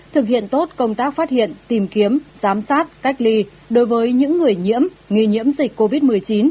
thực hiện tốt công tác phát hiện tìm kiếm giám sát cách ly đối với những người nhiễm nghi nhiễm dịch covid một mươi chín